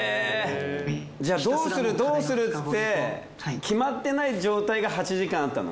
じゃあどうするどうするって決まってない状態が８時間あったの？